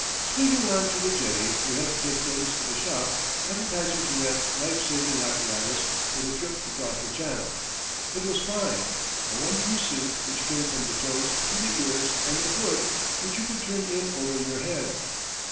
Swinging on to the jetty, we had to take notice of a shop advertising to rent life saving apparatus for the trip across the Channel. It was fine a one piece suit which came from the toes to the ears and a hood which you could turn in over your head!